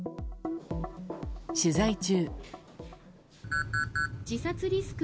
取材中。